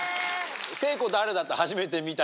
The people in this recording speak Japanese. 誠子誰だった？